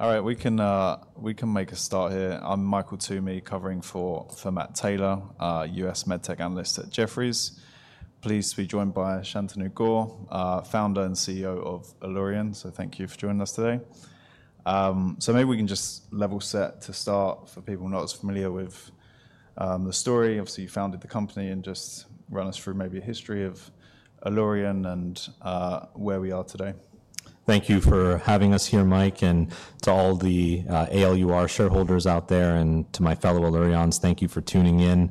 All right, we can make a start here. I'm Michael Toomey, covering for Matt Taylor, U.S. Medtech Analyst at Jefferies. Pleased to be joined by Shantanu Gaur, Founder and CEO of Allurion. Thank you for joining us today. Maybe we can just level set to start for people not as familiar with the story. Obviously, you founded the company and just run us through maybe a history of Allurion and where we are today. Thank you for having us here, Mike, and to all the ALUR shareholders out there and to my fellow Allurions, thank you for tuning in.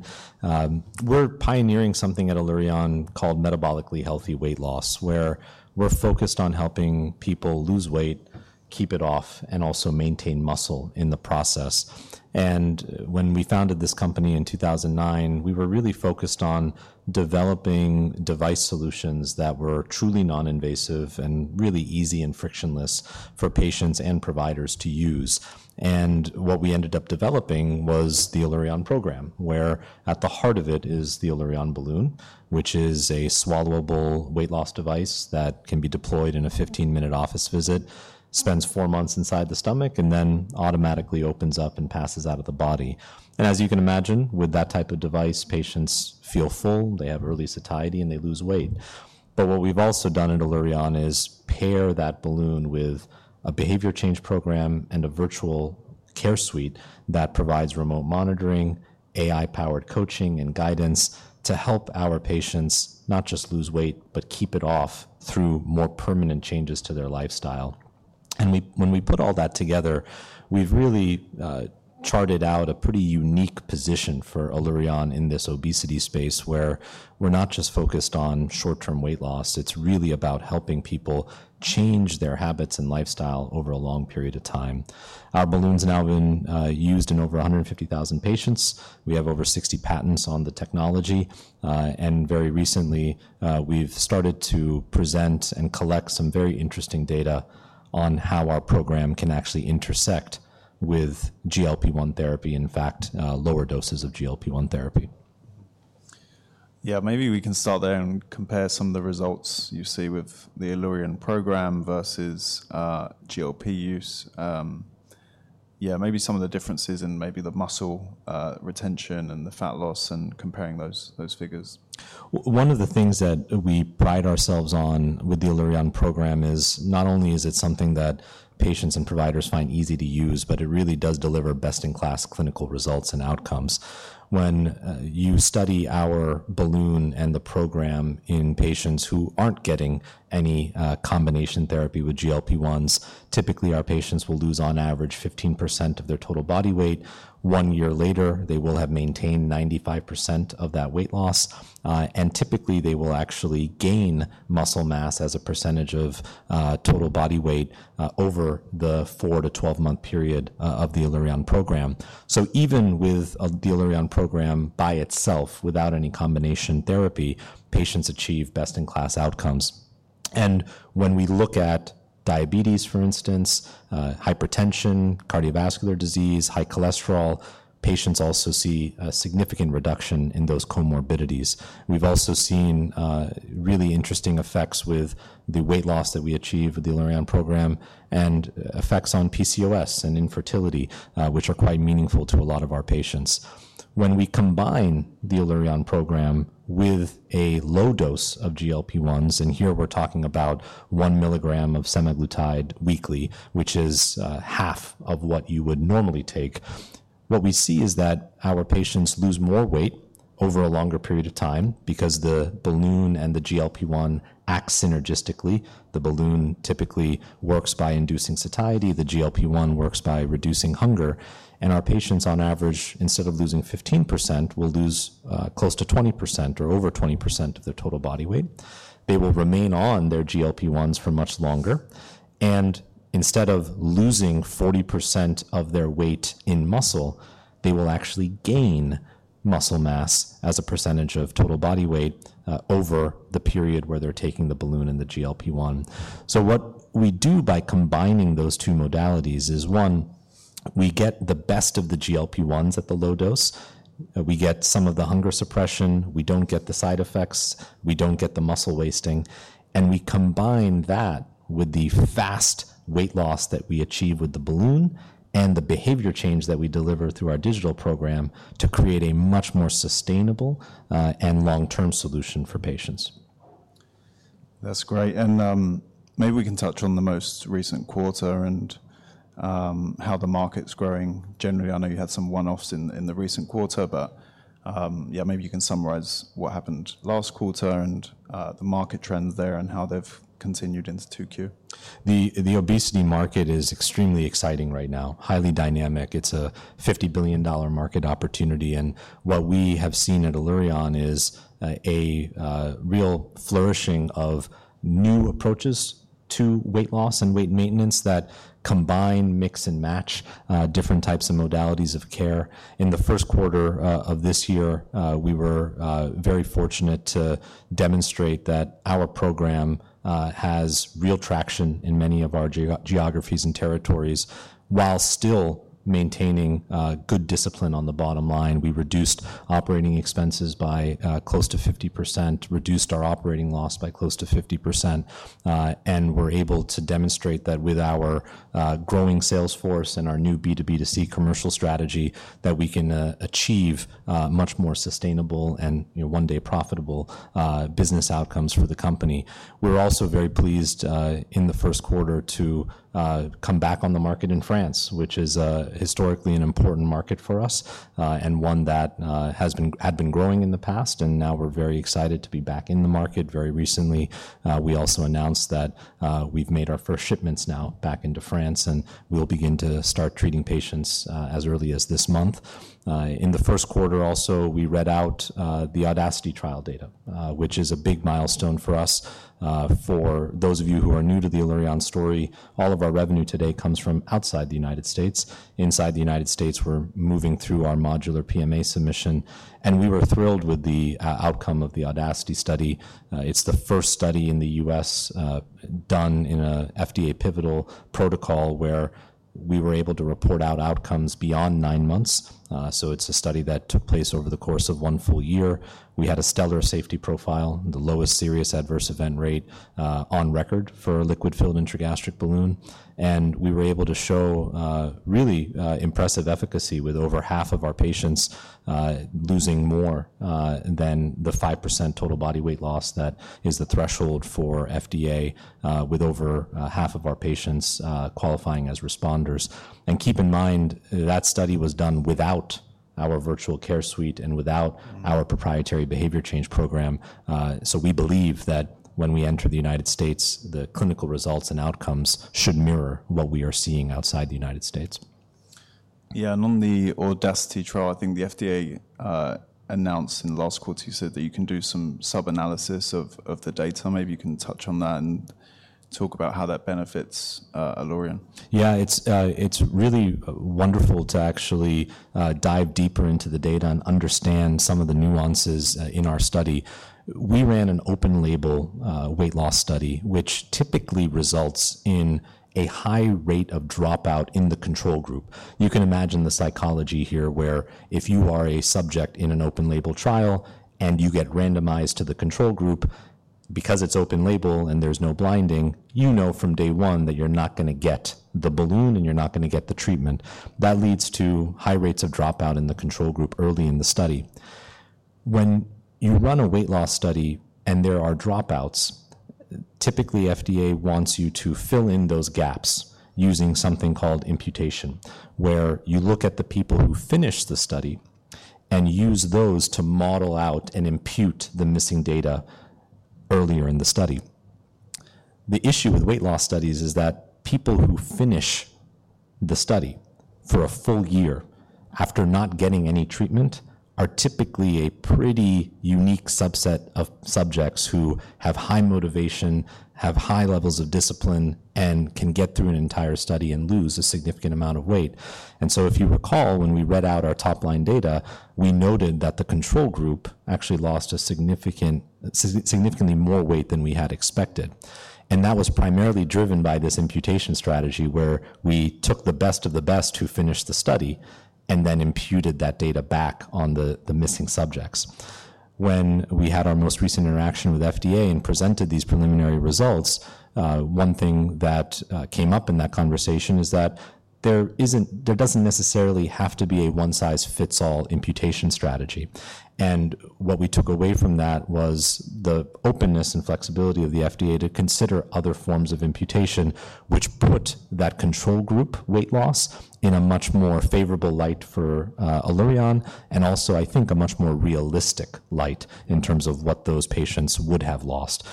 We're pioneering something at Allurion called Metabolically Healthy Weight Loss, where we're focused on helping people lose weight, keep it off, and also maintain muscle in the process. When we founded this company in 2009, we were really focused on developing device solutions that were truly non-invasive and really easy and frictionless for patients and providers to use. What we ended up developing was the Allurion program, where at the heart of it is the Allurion Balloon, which is a swallowable weight loss device that can be deployed in a 15-minute office visit, spends four months inside the stomach, and then automatically opens up and passes out of the body. As you can imagine, with that type of device, patients feel full, they have early satiety, and they lose weight. What we've also done at Allurion is pair that balloon with a behavior change program and a virtual care suite that provides remote monitoring, AI-powered coaching, and guidance to help our patients not just lose weight, but keep it off through more permanent changes to their lifestyle. When we put all that together, we've really charted out a pretty unique position for Allurion in this obesity space, where we're not just focused on short-term weight loss. It's really about helping people change their habits and lifestyle over a long period of time. Our balloons have now been used in over 150,000 patients. We have over 60 patents on the technology. Very recently, we've started to present and collect some very interesting data on how our program can actually intersect with GLP-1 therapy, in fact, lower doses of GLP-1 therapy. Yeah, maybe we can start there and compare some of the results you see with the Allurion program versus GLP-1 use. Yeah, maybe some of the differences in maybe the muscle retention and the fat loss and comparing those figures. One of the things that we pride ourselves on with the Allurion program is not only is it something that patients and providers find easy to use, but it really does deliver best-in-class clinical results and outcomes. When you study our balloon and the program in patients who are not getting any combination therapy with GLP-1s, typically our patients will lose on average 15% of their total body weight. One year later, they will have maintained 95% of that weight loss. Typically, they will actually gain muscle mass as a percentage of total body weight over the 4-12 month period of the Allurion program. Even with the Allurion program by itself, without any combination therapy, patients achieve best-in-class outcomes. When we look at diabetes, for instance, hypertension, cardiovascular disease, high cholesterol, patients also see a significant reduction in those comorbidities. We've also seen really interesting effects with the weight loss that we achieve with the Allurion program and effects on PCOS and infertility, which are quite meaningful to a lot of our patients. When we combine the Allurion program with a low dose of GLP-1s, and here we're talking about 1 mg of semaglutide weekly, which is half of what you would normally take, what we see is that our patients lose more weight over a longer period of time because the balloon and the GLP-1 act synergistically. The balloon typically works by inducing satiety. The GLP-1 works by reducing hunger. Our patients, on average, instead of losing 15%, will lose close to 20% or over 20% of their total body weight. They will remain on their GLP-1s for much longer. Instead of losing 40% of their weight in muscle, they will actually gain muscle mass as a percentage of total body weight over the period where they are taking the balloon and the GLP-1. What we do by combining those two modalities is, one, we get the best of the GLP-1s at the low dose. We get some of the hunger suppression. We do not get the side effects. We do not get the muscle wasting. We combine that with the fast weight loss that we achieve with the balloon and the behavior change that we deliver through our digital program to create a much more sustainable and long-term solution for patients. That's great. Maybe we can touch on the most recent quarter and how the market's growing. Generally, I know you had some one-offs in the recent quarter, but yeah, maybe you can summarize what happened last quarter and the market trends there and how they've continued into 2Q. The obesity market is extremely exciting right now, highly dynamic. It's a $50 billion market opportunity. What we have seen at Allurion is a real flourishing of new approaches to weight loss and weight maintenance that combine, mix, and match different types of modalities of care. In the 1st quarter of this year, we were very fortunate to demonstrate that our program has real traction in many of our geographies and territories while still maintaining good discipline on the bottom line. We reduced operating expenses by close to 50%, reduced our operating loss by close to 50%, and were able to demonstrate that with our growing sales force and our new B2B2C commercial strategy, we can achieve much more sustainable and one-day profitable business outcomes for the company. We're also very pleased in the 1st quarter to come back on the market in France, which is historically an important market for us and one that had been growing in the past. We are very excited to be back in the market. Very recently, we also announced that we've made our first shipments now back into France, and we'll begin to start treating patients as early as this month. In the 1st quarter, we read out the AUDACITY trial data, which is a big milestone for us. For those of you who are new to the Allurion story, all of our revenue today comes from outside the U.S. Inside the U.S., we're moving through our modular PMA submission. We were thrilled with the outcome of the AUDACITY Study. It's the first study in the U.S. done in an FDA-pivotal protocol where we were able to report out outcomes beyond nine months. It is a study that took place over the course of one full year. We had a stellar safety profile, the lowest serious adverse event rate on record for a liquid-filled intragastric balloon. We were able to show really impressive efficacy with over half of our patients losing more than the 5% total body weight loss that is the threshold for FDA, with over half of our patients qualifying as responders. Keep in mind, that study was done without our Virtual Care Suite and without our proprietary behavior change program. We believe that when we enter the United States, the clinical results and outcomes should mirror what we are seeing outside the United States. Yeah, and on the AUDACITY trial, I think the FDA announced in the last quarter you said that you can do some sub-analysis of the data. Maybe you can touch on that and talk about how that benefits Allurion. Yeah, it's really wonderful to actually dive deeper into the data and understand some of the nuances in our study. We ran an open-label weight loss study, which typically results in a high rate of dropout in the control group. You can imagine the psychology here where if you are a subject in an open-label trial and you get randomized to the control group, because it's open-label and there's no blinding, you know from day one that you're not going to get the balloon and you're not going to get the treatment. That leads to high rates of dropout in the control group early in the study. When you run a weight loss study and there are dropouts, typically FDA wants you to fill in those gaps using something called imputation, where you look at the people who finish the study and use those to model out and impute the missing data earlier in the study. The issue with weight loss studies is that people who finish the study for a full year after not getting any treatment are typically a pretty unique subset of subjects who have high motivation, have high levels of discipline, and can get through an entire study and lose a significant amount of weight. If you recall, when we read out our top-line data, we noted that the control group actually lost significantly more weight than we had expected. That was primarily driven by this imputation strategy where we took the best of the best who finished the study and then imputed that data back on the missing subjects. When we had our most recent interaction with the FDA and presented these preliminary results, one thing that came up in that conversation is that there does not necessarily have to be a one-size-fits-all imputation strategy. What we took away from that was the openness and flexibility of the FDA to consider other forms of imputation, which put that control group weight loss in a much more favorable light for Allurion and also, I think, a much more realistic light in terms of what those patients would have lost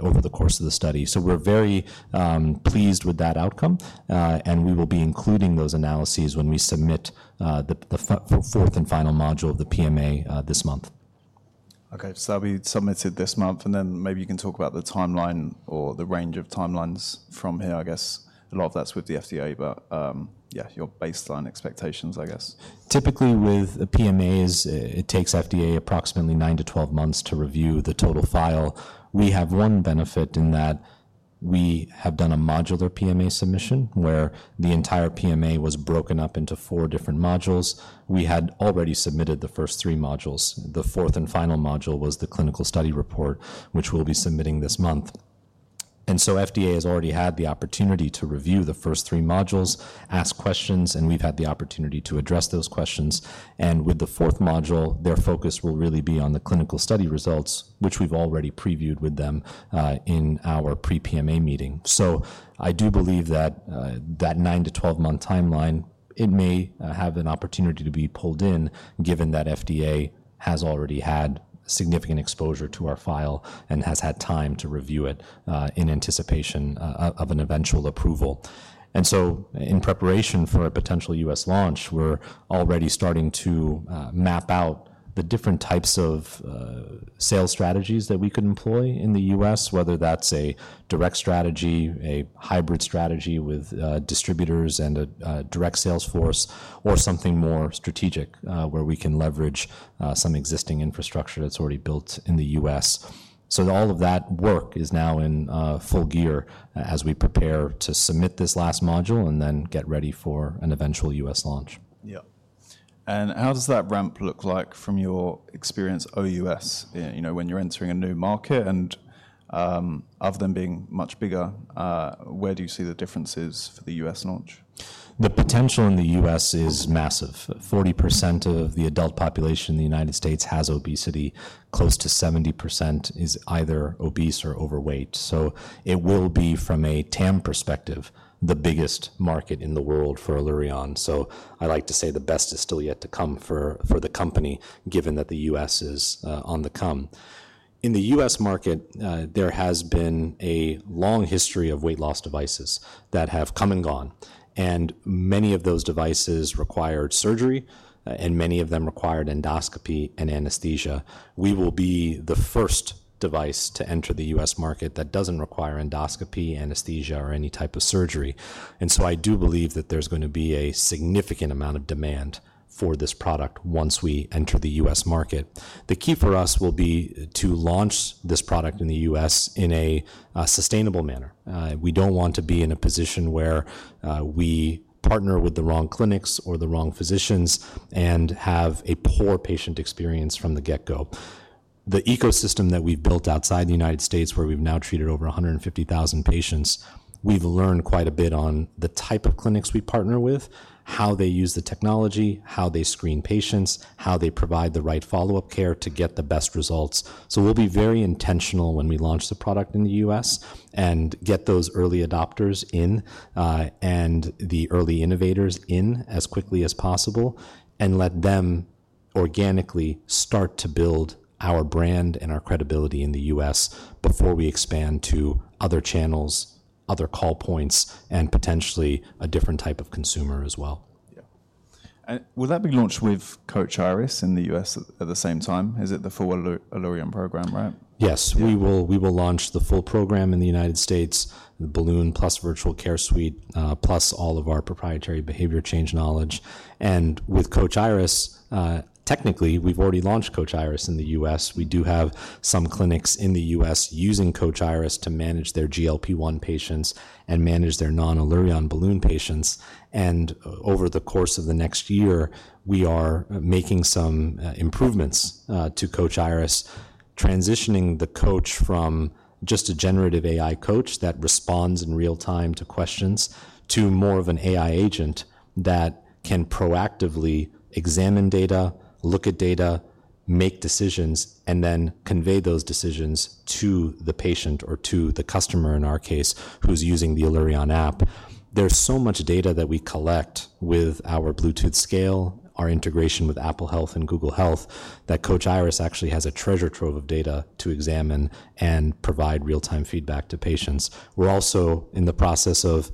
over the course of the study. We are very pleased with that outcome. We will be including those analyses when we submit the fourth and final module of the PMA this month. Okay, so that'll be submitted this month. Maybe you can talk about the timeline or the range of timelines from here. I guess a lot of that's with the FDA, but yeah, your baseline expectations, I guess. Typically, with a PMA, it takes FDA approximately 9-12 months to review the total file. We have one benefit in that we have done a modular PMA submission where the entire PMA was broken up into four different modules. We had already submitted the first three modules. The fourth and final module was the clinical study report, which we'll be submitting this month. FDA has already had the opportunity to review the first three modules, ask questions, and we've had the opportunity to address those questions. With the fourth module, their focus will really be on the clinical study results, which we've already previewed with them in our pre-PMA meeting. I do believe that that 9-12 month timeline, it may have an opportunity to be pulled in given that FDA has already had significant exposure to our file and has had time to review it in anticipation of an eventual approval. In preparation for a potential U.S. launch, we're already starting to map out the different types of sales strategies that we could employ in the U.S., whether that's a direct strategy, a hybrid strategy with distributors and a direct sales force, or something more strategic where we can leverage some existing infrastructure that's already built in the U.S.. All of that work is now in full gear as we prepare to submit this last module and then get ready for an eventual U.S. launch. Yeah. How does that ramp look like from your experience OUS when you're entering a new market? Of them being much bigger, where do you see the differences for the U.S. launch? The potential in the U.S. is massive. 40% of the adult population in the United States has obesity. Close to 70% is either obese or overweight. It will be, from a TAM perspective, the biggest market in the world for Allurion. I like to say the best is still yet to come for the company, given that the U.S. is on the come. In the U.S. market, there has been a long history of weight loss devices that have come and gone. Many of those devices required surgery, and many of them required endoscopy and anesthesia. We will be the first device to enter the U.S. market that does not require endoscopy, anesthesia, or any type of surgery. I do believe that there is going to be a significant amount of demand for this product once we enter the U.S. market. The key for us will be to launch this product in the U.S. in a sustainable manner. We don't want to be in a position where we partner with the wrong clinics or the wrong physicians and have a poor patient experience from the get-go. The ecosystem that we've built outside the United States, where we've now treated over 150,000 patients, we've learned quite a bit on the type of clinics we partner with, how they use the technology, how they screen patients, how they provide the right follow-up care to get the best results. We'll be very intentional when we launch the product in the U.S. and get those early adopters in and the early innovators in as quickly as possible and let them organically start to build our brand and our credibility in the U.S. before we expand to other channels, other call points, and potentially a different type of consumer as well. Yeah. Will that be launched with Coach Iris in the U.S. at the same time? Is it the full Allurion program, right? Yes, we will launch the full program in the United States, the Balloon plus Virtual Care Suite plus all of our proprietary behavior change knowledge. With Coach Iris, technically, we've already launched Coach Iris in the U.S. We do have some clinics in the U.S. using Coach Iris to manage their GLP-1 patients and manage their non-Allurion Balloon patients. Over the course of the next year, we are making some improvements to Coach Iris, transitioning the coach from just a generative AI coach that responds in real time to questions to more of an AI agent that can proactively examine data, look at data, make decisions, and then convey those decisions to the patient or to the customer, in our case, who's using the Allurion app. There's so much data that we collect with our Bluetooth scale, our integration with Apple Health and Google Health, that Coach Iris actually has a treasure trove of data to examine and provide real-time feedback to patients. We're also in the process of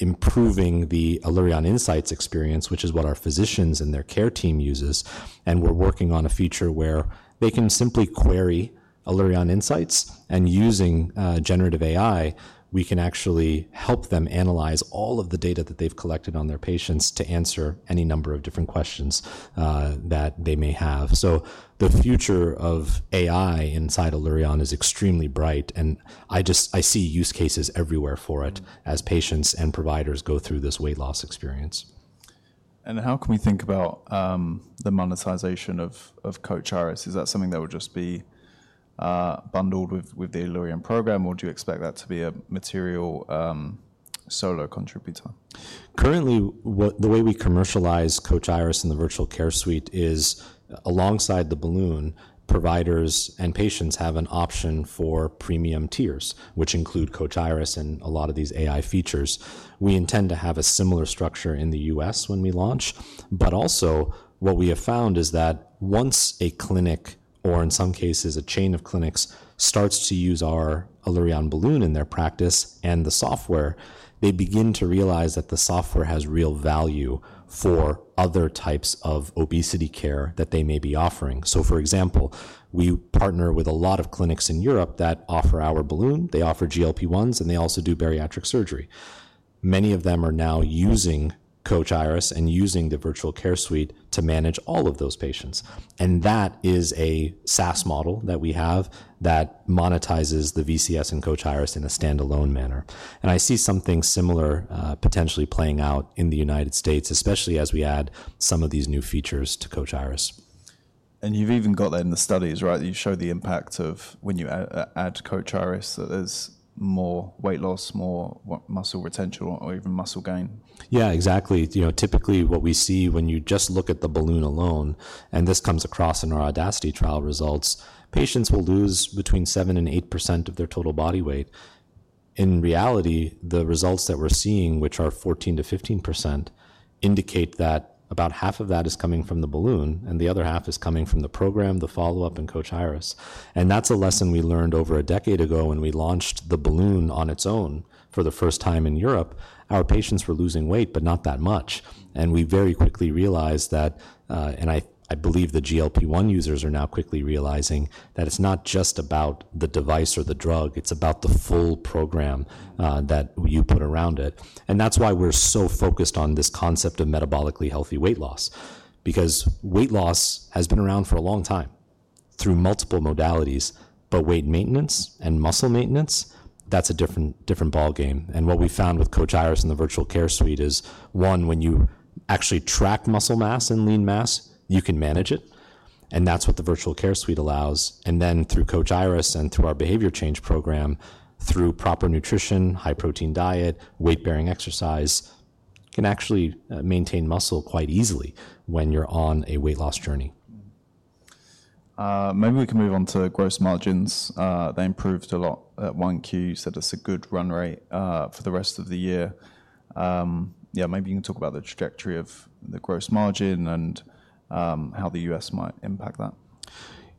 improving the Allurion Insights experience, which is what our physicians and their care team uses. We're working on a feature where they can simply query Allurion Insights. Using generative AI, we can actually help them analyze all of the data that they've collected on their patients to answer any number of different questions that they may have. The future of AI inside Allurion is extremely bright. I see use cases everywhere for it as patients and providers go through this weight loss experience. How can we think about the monetization of Coach Iris? Is that something that will just be bundled with the Allurion program, or do you expect that to be a material solo contributor? Currently, the way we commercialize Coach Iris and the virtual care suite is alongside the balloon, providers and patients have an option for premium tiers, which include Coach Iris and a lot of these AI features. We intend to have a similar structure in the U.S. when we launch. Also, what we have found is that once a clinic, or in some cases a chain of clinics, starts to use our Allurion Balloon in their practice and the software, they begin to realize that the software has real value for other types of obesity care that they may be offering. For example, we partner with a lot of clinics in Europe that offer our Balloon. They offer GLP-1s, and they also do bariatric surgery. Many of them are now using Coach Iris and using the virtual care suite to manage all of those patients. That is a SaaS model that we have that monetizes the VCS and Coach Iris in a standalone manner. I see something similar potentially playing out in the United States, especially as we add some of these new features to Coach Iris. You've even got that in the studies, right? You show the impact of when you add Coach Iris, there's more weight loss, more muscle retention, or even muscle gain. Yeah, exactly. Typically, what we see when you just look at the Balloon alone, and this comes across in our AUDACITY trial results, patients will lose between 7% and 8% of their total body weight. In reality, the results that we're seeing, which are 14%-15%, indicate that about half of that is coming from the Balloon, and the other half is coming from the program, the follow-up, and Coach Iris. That's a lesson we learned over a decade ago when we launched the Balloon on its own for the first time in Europe. Our patients were losing weight, but not that much. We very quickly realized that, and I believe the GLP-1 users are now quickly realizing that it's not just about the device or the drug. It's about the full program that you put around it. That is why we are so focused on this concept of metabolically healthy weight loss, because weight loss has been around for a long time through multiple modalities. Weight maintenance and muscle maintenance, that is a different ball game. What we found with Coach Iris and the Virtual Care Suite is, one, when you actually track muscle mass and lean mass, you can manage it. That is what the Virtual Care Suite allows. Through Coach Iris and through our behavior change program, through proper nutrition, high-protein diet, weight-bearing exercise, you can actually maintain muscle quite easily when you are on a weight loss journey. Maybe we can move on to gross margins. They improved a lot at 1Q. You said it's a good run rate for the rest of the year. Yeah, maybe you can talk about the trajectory of the gross margin and how the U.S. might impact that.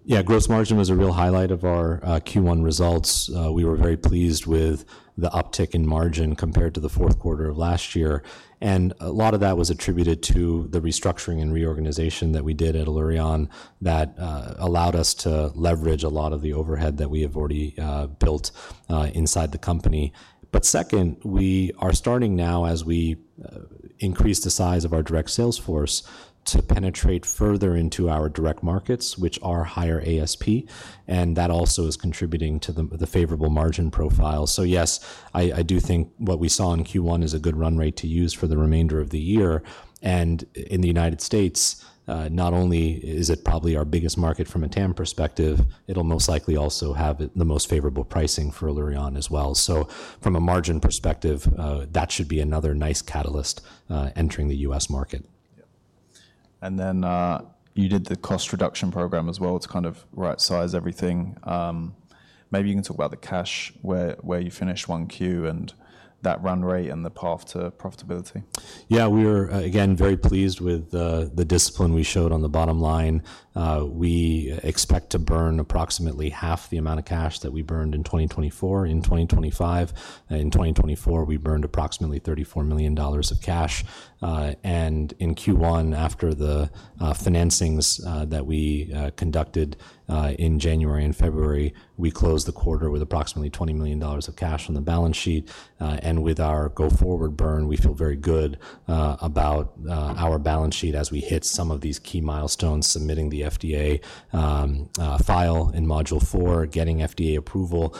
Yeah, gross margin was a real highlight of our Q1 results. We were very pleased with the uptick in margin compared to the 4th quarter of last year. A lot of that was attributed to the restructuring and reorganization that we did at Allurion that allowed us to leverage a lot of the overhead that we have already built inside the company. Second, we are starting now, as we increase the size of our direct sales force, to penetrate further into our direct markets, which are higher ASP. That also is contributing to the favorable margin profile. Yes, I do think what we saw in Q1 is a good run rate to use for the remainder of the year. In the United States, not only is it probably our biggest market from a TAM perspective, it'll most likely also have the most favorable pricing for Allurion as well. From a margin perspective, that should be another nice catalyst entering the U.S. market. You did the cost reduction program as well. It's kind of right-sized everything. Maybe you can talk about the cash where you finished 1Q and that run rate and the path to profitability. Yeah, we're, again, very pleased with the discipline we showed on the bottom line. We expect to burn approximately half the amount of cash that we burned in 2024. In 2025, in 2024, we burned approximately $34 million of cash. In Q1, after the financings that we conducted in January and February, we closed the quarter with approximately $20 million of cash on the balance sheet. With our go forward burn, we feel very good about our balance sheet as we hit some of these key milestones: submitting the FDA file in module four, getting FDA approval.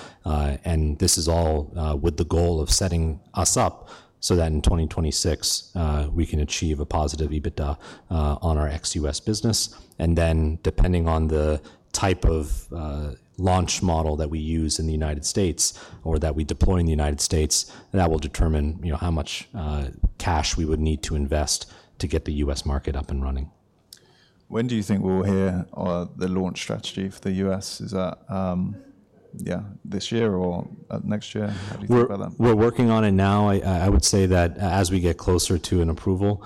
This is all with the goal of setting us up so that in 2026, we can achieve a positive EBITDA on our ex-U.S. business. Depending on the type of launch model that we use in the United States or that we deploy in the United States, that will determine how much cash we would need to invest to get the U.S. market up and running. When do you think we'll hear the launch strategy for the U.S.? Is that, yeah, this year or next year? How do you think about that? We're working on it now. I would say that as we get closer to an approval,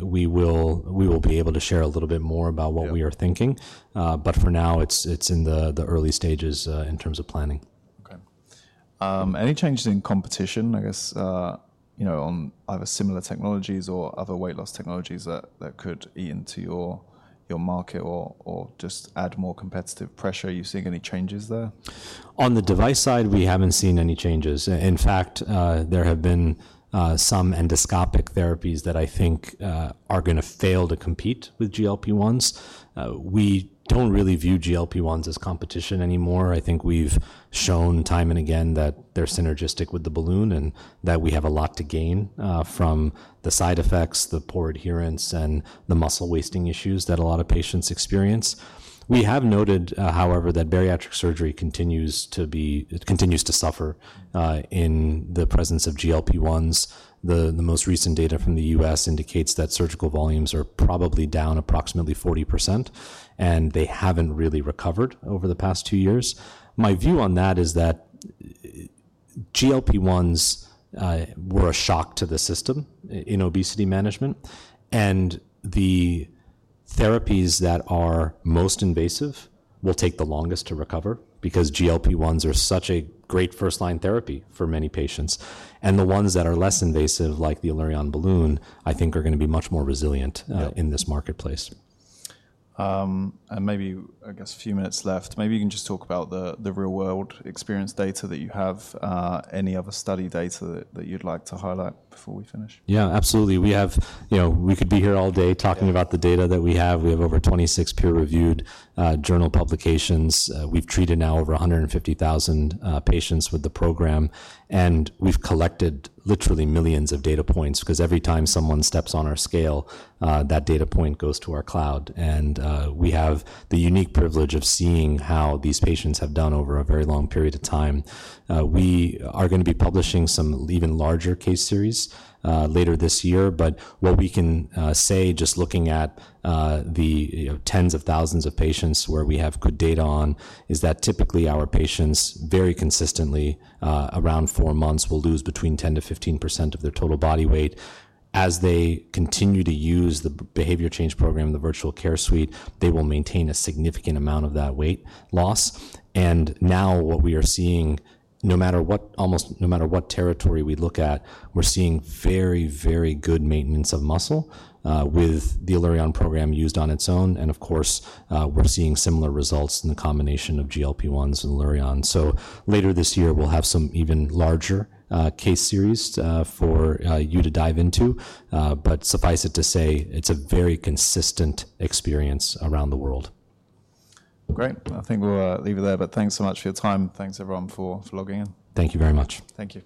we will be able to share a little bit more about what we are thinking. For now, it's in the early stages in terms of planning. Okay. Any changes in competition, I guess, on either similar technologies or other weight loss technologies that could eat into your market or just add more competitive pressure? Are you seeing any changes there? On the device side, we haven't seen any changes. In fact, there have been some endoscopic therapies that I think are going to fail to compete with GLP-1s. We don't really view GLP-1s as competition anymore. I think we've shown time and again that they're synergistic with the Balloon and that we have a lot to gain from the side effects, the poor adherence, and the muscle wasting issues that a lot of patients experience. We have noted, however, that bariatric surgery continues to suffer in the presence of GLP-1s. The most recent data from the U.S. indicates that surgical volumes are probably down approximately 40%, and they haven't really recovered over the past two years. My view on that is that GLP-1s were a shock to the system in obesity management. The therapies that are most invasive will take the longest to recover because GLP-1s are such a great first-line therapy for many patients. The ones that are less invasive, like the Allurion Balloon, I think are going to be much more resilient in this marketplace. I guess, a few minutes left, maybe you can just talk about the real-world experience data that you have. Any other study data that you'd like to highlight before we finish? Yeah, absolutely. We could be here all day talking about the data that we have. We have over 26 peer-reviewed journal publications. We've treated now over 150,000 patients with the program. We've collected literally millions of data points because every time someone steps on our scale, that data point goes to our cloud. We have the unique privilege of seeing how these patients have done over a very long period of time. We are going to be publishing some even larger case series later this year. What we can say, just looking at the tens of thousands of patients where we have good data on, is that typically our patients, very consistently, around four months, will lose between 10%-15% of their total body weight. As they continue to use the behavior change program and the Virtual Care Suite, they will maintain a significant amount of that weight loss. Now what we are seeing, almost no matter what territory we look at, we're seeing very, very good maintenance of muscle with the Allurion program used on its own. Of course, we're seeing similar results in the combination of GLP-1s and Allurion. Later this year, we'll have some even larger case series for you to dive into. Suffice it to say, it's a very consistent experience around the world. Great. I think we'll leave it there. Thanks so much for your time. Thanks, everyone, for logging in. Thank you very much. Thank you.